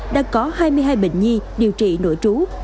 đã có hai mươi hai bệnh nhi điều trị nội trú